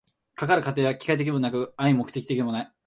かかる過程は機械的でもなく合目的的でもない。